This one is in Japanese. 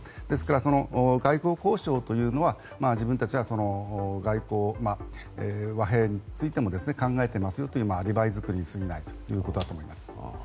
ですから、外交交渉というのは自分たちは和平についても考えていますよというアリバイ作りに過ぎないということだと思います。